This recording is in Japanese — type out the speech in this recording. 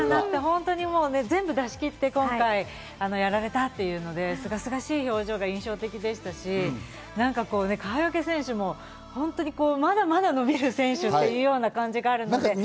本当に全部出し切って今回やられたというので、すがすがしい表情が印象的でしたし、川除選手もまだまだ伸びる選手というような感じがあるので。